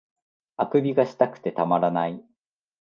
欠伸がしたくてたまらない